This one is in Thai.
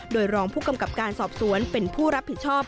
โดยรองผู้กำกับการสอบสวนเป็นผู้รับผิดชอบ